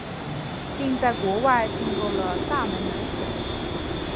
并在国外订购了大门门锁。